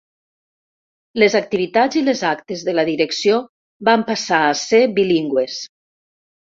Les activitats i les actes de la direcció van passar a ser bilingües.